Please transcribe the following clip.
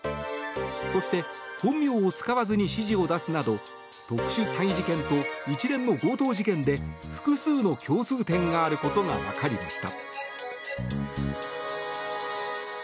そして、本名を使わずに指示を出すなど特殊詐欺事件と一連の強盗事件で複数の共通点があることが分かりました。